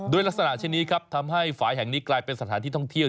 ลักษณะเช่นนี้ครับทำให้ฝ่ายแห่งนี้กลายเป็นสถานที่ท่องเที่ยว